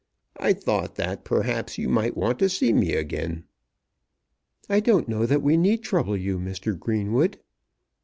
I thought that perhaps you might want to see me again." "I don't know that we need trouble you, Mr. Greenwood."